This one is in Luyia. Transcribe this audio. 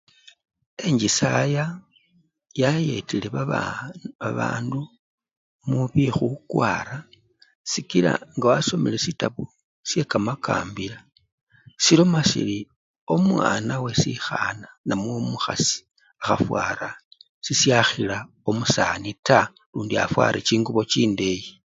Enjisaya yayetile babaaa! babandu mubyekhukwara sikila nga wasomeli sitabu syekamakambila silomasili omwana wesikhana namwe omukhasi akhafwara sisyakhila omusani taa lundi afware chingubo chindeyi.